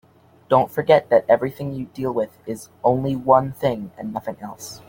Don't forget that everything you deal with is only one thing and nothing else.